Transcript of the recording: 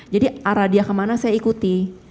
jadi arah dia kemana saya ikuti